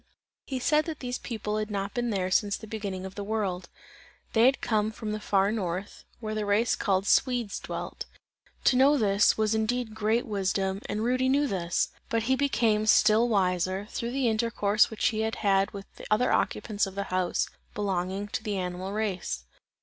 He said that these people had not been there since the beginning of the world; they had come from the far North, where the race called Swedes, dwelt. To know this, was indeed great wisdom, and Rudy knew this; but he became still wiser, through the intercourse which he had with the other occupants of the house belonging to the animal race.